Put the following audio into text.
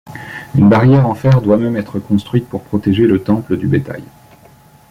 Une barrière en fer doit même être construite pour protéger le temple du bétail.